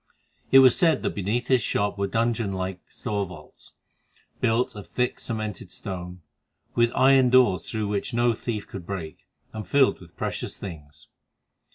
It was said that beneath his shop were dungeon like store vaults, built of thick cemented stone, with iron doors through which no thief could break, and filled with precious things.